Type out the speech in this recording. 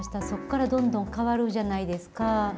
そこからどんどん変わるじゃないですか。